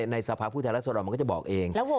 ในสภาผู้ใช้รัฐสลรัฐสลเราก็จะบอกเอง